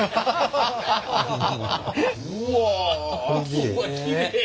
うわきれい！